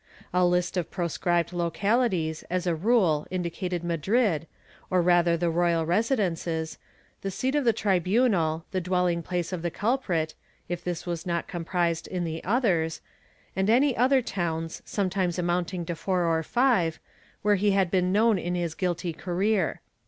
The list of proscribed localities as a rule included Madrid, or rather the royal residences, the seat of the tribunal, the dwelling place of the culprit, if this was not comprised in the others, and any other towns, sometimes amounting to four or five, where he had been known in his guilty career.